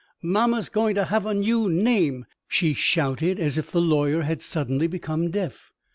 "Mamma's going to have a new name," she shouted, as if the lawyer had suddenly become deaf.